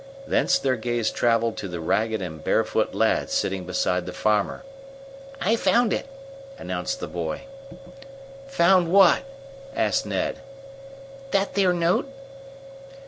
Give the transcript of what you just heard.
Thence their gaze traveled to the ragged and barefoot lad sitting beside the farmer. "I found it!" announced the boy. "Found what?" asked Ned. "That there note!"